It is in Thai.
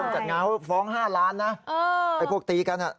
ห่างงานฟ้องห้าร้านนะเออถ้าพวกตีกันอ่ะ